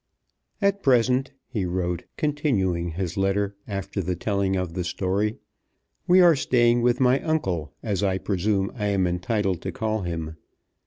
"At present," he wrote, continuing his letter after the telling of the story, we are staying with my uncle, as I presume I am entitled to call him.